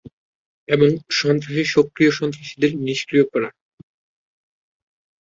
এবং সক্রিয় সন্ত্রাসীদের নিস্ক্রিয় করা।